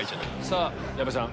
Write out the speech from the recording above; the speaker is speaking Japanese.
さぁ矢部さん